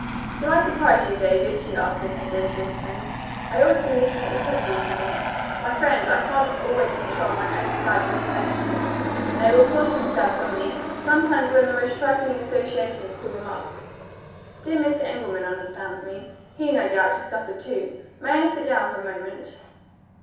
"Do I surprise you, David?" she asked in her gentlest tones. "I ought to be looking at the pictures, you think? My friend! I can't always control my own sad recollections. They will force themselves on me sometimes when the most trifling associations call them up. Dear Mr. Engelman understands me. He, no doubt, has suffered too. May I sit down for a moment?"